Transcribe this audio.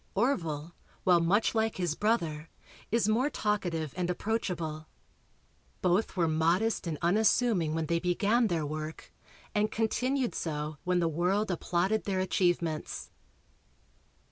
Orville, while much like his brother, is more talkative and approachable. Both were modest and unassuming when they began their work and continued so when the world applauded their achievements.